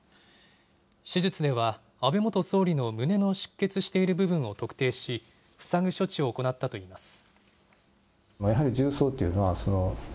手術では、安倍元総理の胸の出血している部分を特定し、塞ぐ処置を行ったといいます。